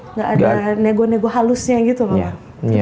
nggak ada nego nego halusnya gitu bapak